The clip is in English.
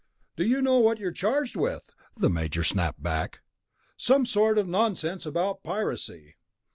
"Do you know what you're charged with?" the Major snapped back. "Some sort of nonsense about piracy...."